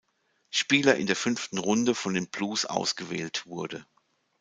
Spieler in der fünften Runde von den Blues ausgewählt wurde.